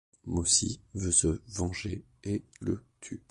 Mossy veut se venger et le tue.